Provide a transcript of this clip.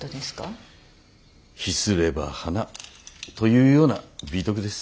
秘すれば花というような美徳です。